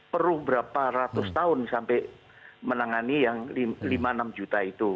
perlu berapa ratus tahun sampai menangani yang lima enam juta itu